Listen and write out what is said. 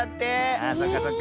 ああそうかそうか。